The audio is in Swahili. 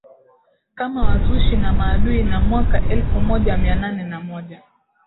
kama wazushi na maadui na mwaka elfu moja Mia nane na moja